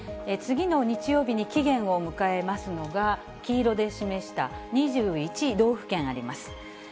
次の日曜日に期限を迎えますのが、黄色で示した２１道府県あります。